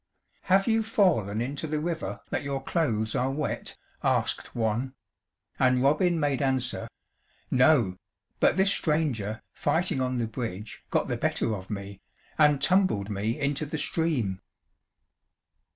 "Have you fallen into the river that your clothes are wet?" asked one; and Robin made answer, "No, but this stranger, fighting on the bridge, got the better of me, and tumbled me into the stream."